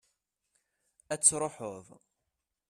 ad truḥeḍ